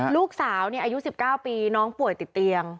ลูกสาวอายุ๑๙ปีน้องป่วยติดเตียง